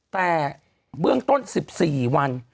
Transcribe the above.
แต่เบื้องต้น๑๔วัน